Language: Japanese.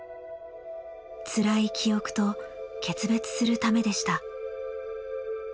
つらい記憶と決別するためでした。